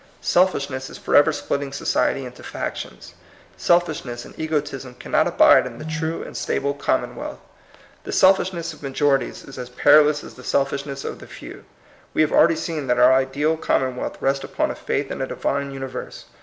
Selfishness is forever splitting society into factions; selfishness and egotism cannot abide in the true and stable commonwealth. The selfishness of majorities is as perilous as the selfishness of the few. We have already seen that our ideal commonwealth rests upon a faith in a Di vine universe.